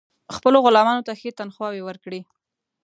خپلو غلامانو ته ښې تنخواوې ورکړي.